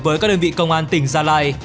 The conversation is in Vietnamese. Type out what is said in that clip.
với các đơn vị công an tỉnh gia lai